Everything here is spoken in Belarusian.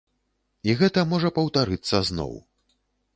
І гэта можа паўтарыцца зноў.